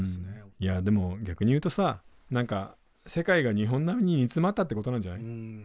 いやでも逆に言うとさ何か世界が日本並みに煮詰まったってことなんじゃない？